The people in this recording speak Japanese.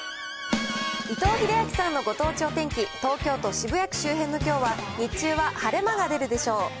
伊藤英明さんのご当地お天気、東京都渋谷区周辺のきょうは、日中は晴れ間が出るでしょう。